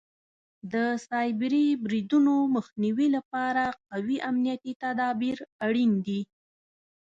د سایبري بریدونو مخنیوي لپاره قوي امنیتي تدابیر اړین دي.